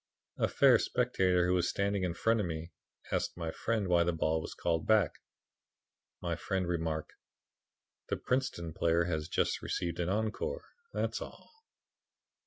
A fair spectator who was standing in front of me, asked my friend why the ball was called back. My friend remarked: 'The Princeton player has just received an encore, that's all.'